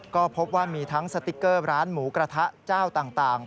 ก็พบว่ามีทั้งสติ๊กเกอร์ร้านหมูกระทะเจ้าต่าง